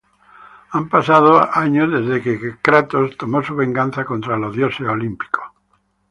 Han pasado años desde que Kratos tomó su venganza contra los Dioses Olímpicos.